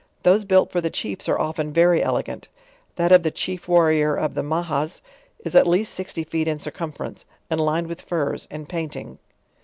Those built for the chiefs are often very ele gant. That of the chief warrior of the Mahas, is at least sixty feet in circumference, and lined with furs, and painting.